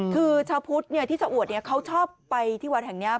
คือชาวพุทธที่ชะอวดเขาชอบไปที่วัดแห่งนี้